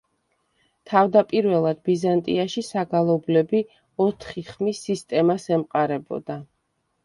თავდაპირველად ბიზანტიაში საგალობლები ოთხი ხმის სისტემას ემყარებოდა.